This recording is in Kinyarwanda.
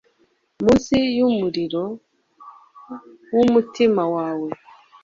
Munsi yumuriro wumutima wawe